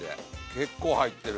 結構入ってる。